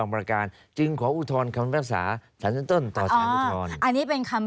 เวลาเราเขียนเราจะเขียนอย่างนี้